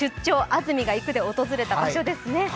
安住がいく」で訪れた場所ですね。